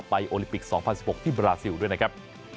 โอลิมปิก๒๐๑๖ที่บราซิลด้วยนะครับ